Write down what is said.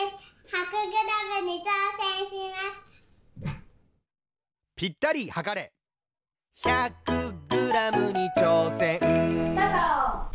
１００グラムにちょうせんします！スタート！